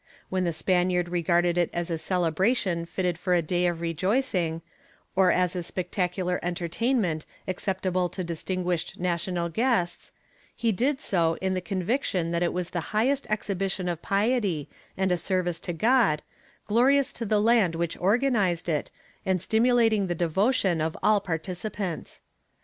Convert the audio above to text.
When the Spaniard regarded it as a celebration fitted for a day of rejoicing, or as a spectacular entertainment acceptable to distinguished national guests, he did so in the conviction that it was the highest exhibition of piety, and a service to God, glorious to the land which organized it, and stimulating the devotion of all participants.